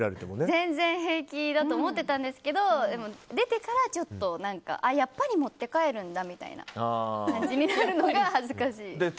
全然平気だと思ってたんですけど出てから、ちょっとやっぱり持って帰るんだみたいな感じになるのが恥ずかしいです。